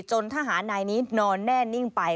ทหารนายนี้นอนแน่นิ่งไป